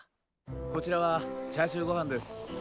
こちらはチャーシューごはんです。